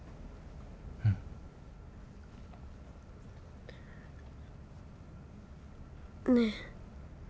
うん。ねえ。